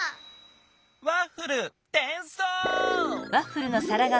ワッフルてんそう！